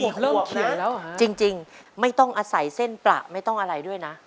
อีกข่วบนะจริงไม่ต้องอาศัยเส้นประไม่ต้องอะไรด้วยนะ